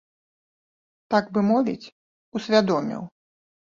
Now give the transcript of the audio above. Так бы мовіць, усвядоміў.